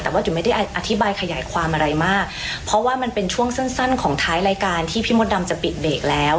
แต่ว่าจุ๋มไม่ได้อธิบายขยายความอะไรมากเพราะว่ามันเป็นช่วงสั้นสั้นของท้ายรายการที่พี่มดดำจะปิดเบรกแล้ว